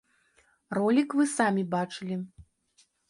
Ролік вы самі бачылі.